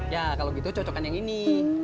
ya kalau gitu cocokan yang ini